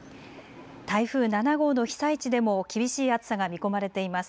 台風７号の被災地でも厳しい暑さが見込まれています。